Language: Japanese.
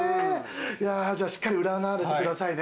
いやじゃあしっかり占われてくださいね。